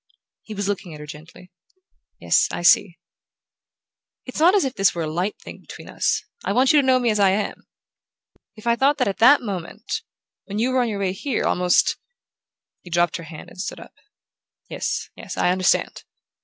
He was looking at her gently. "Yes: I see." "It's not as if this were a light thing between us. I want you to know me as I am. If I thought that at that moment ... when you were on your way here, almost " He dropped her hand and stood up. "Yes, yes I understand."